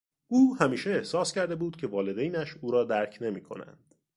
او همیشه احساس کرده بود که والدینش او را درک نمیکنند.